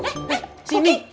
eh eh sini